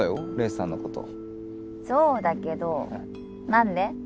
黎さんのことそうだけど何で？